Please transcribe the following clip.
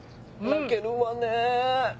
泣けるわね。